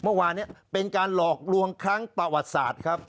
เมื่อวานนี้เป็นการหลอกลวงครั้งประวัติศาสตร์ครับ